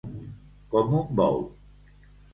Com un bou.